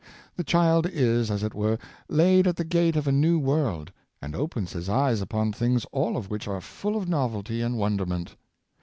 The child is, as it were, laid at the gate of a new world, and opens his eyes upon things all of which are full of novelty and wonderment.